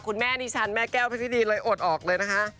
คุณแม่ดิฉันแม่แก้วเพชรดีเลยอดออกเลยนะคะ